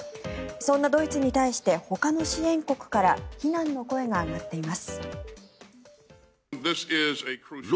そんなドイツに対してほかの支援国から非難の声が上がっています。